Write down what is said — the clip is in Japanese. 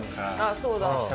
そうだ。